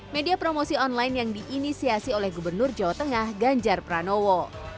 media promosi online yang diinisiasi oleh gubernur jawa tengah ganjar pranowo